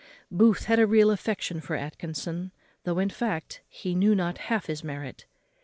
Booth had a real affection for Atkinson, though, in fact, he knew not half his merit.